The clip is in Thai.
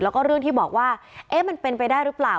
แล้วก็เรื่องที่บอกว่าเอ๊ะมันเป็นไปได้หรือเปล่า